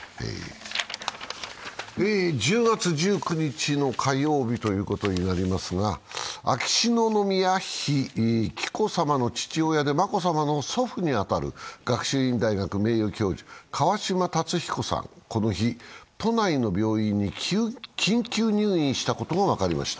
１０月１９日の火曜日ということで、秋篠宮妃・紀子さまの父親で眞子さまの祖父に当たる学習院大学名誉教授、川嶋辰彦さん、この日、都内の病院に緊急入院したことが分かりました。